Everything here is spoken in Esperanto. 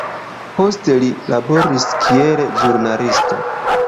Poste li laboris kiel ĵurnalisto.